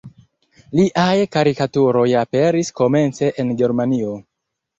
Liaj karikaturoj aperis komence en Germanio.